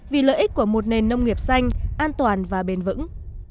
vì lợi ích của một nền nông nghiệp xanh an toàn và bền vững